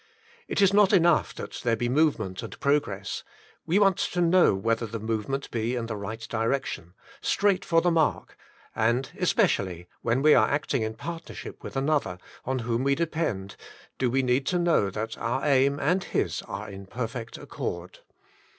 It is not enough that there be movement and progress, we want to know w^hether the movement be in the right direction, straight for the mark ; and especially when we are acting in partnership with another, on whom we are dependent, do we need to know that our aim and his are in perfect accord.